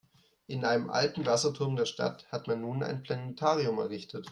In einem alten Wasserturm der Stadt hat man nun ein Planetarium errichtet.